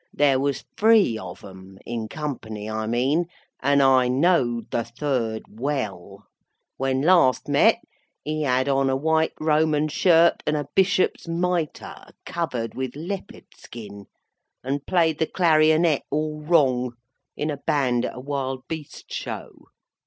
There was three of 'em (in company, I mean), and I knowed the third well. When last met, he had on a white Roman shirt, and a bishop's mitre covered with leopard skin, and played the clarionet all wrong, in a band at a Wild Beast Show.